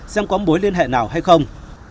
xem có mối liên hệ nào hay không